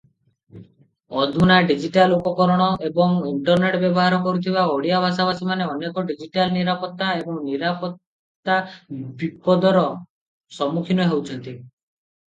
ଅଧୁନା ଡିଜିଟାଲ ଉପକରଣ ଏବଂ ଇଣ୍ଟରନେଟ ବ୍ୟବହାର କରୁଥିବା ଓଡ଼ିଆ ଭାଷାଭାଷୀମାନେ ଅନେକ ଡିଜିଟାଲ ନିରାପତ୍ତା ଏବଂ ନିରାପତ୍ତା ବିପଦର ସମ୍ମୁଖୀନ ହେଉଛନ୍ତି ।